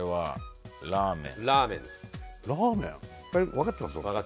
わかってます。